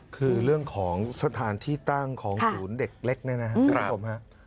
คือเรื่องของสถานที่ตั้งของฝูนเด็กเล็กนี่นะครับ